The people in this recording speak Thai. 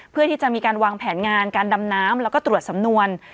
เพื่อที่จะมีการวางแผนงานการดำน้ำแล้วก็ตรวจสำนวน